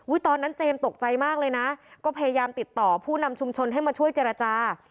ตอนนั้นเจมส์ตกใจมากเลยนะก็พยายามติดต่อผู้นำชุมชนให้มาช่วยเจรจา